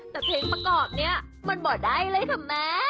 แต่เพลงประกอบเนี่ยมันบ่ได้เลยค่ะแม่